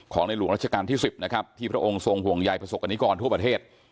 ในหลวงราชการที่๑๐นะครับที่พระองค์ทรงห่วงใยประสบกรณิกรทั่วประเทศ